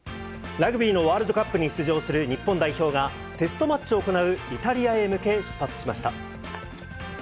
ラグビーのワールドカップに出場する日本代表が、テストマッチを行うイタリアへ向け出発しました。